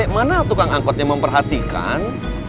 mana tukang angkot yang memperhatikan